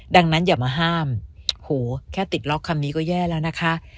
ดังนั้นอย่ามาห้ามโหแค่ติดล็อกคำนี้ก็แย่แล้วนะคะ